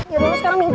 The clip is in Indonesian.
ya udah sekarang nih